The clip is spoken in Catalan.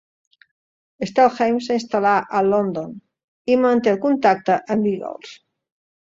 Stalhein s'instal·la a London, i manté el contacte amb Biggles.